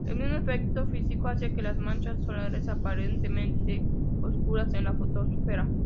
El mismo efecto físico hace que las manchas solares aparentemente oscuras en la fotosfera.